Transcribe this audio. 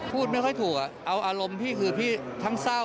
พูดไม่ค่อยถูกเอาอารมณ์พี่คือพี่ทั้งเศร้า